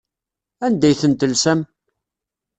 Anda ay ten-telsam?